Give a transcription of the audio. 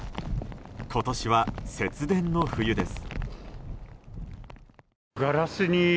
今年は節電の冬です。